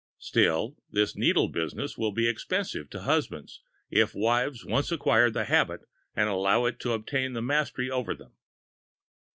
Still, this needle business will be expensive to husbands, if wives once acquire the habit and allow it to obtain the mastery over them.